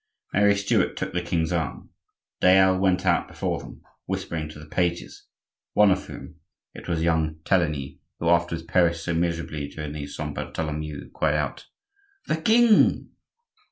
Mary Stuart took the king's arm. Dayelle went out before them, whispering to the pages; one of whom (it was young Teligny, who afterwards perished so miserably during the Saint Bartholomew) cried out:— "The king!"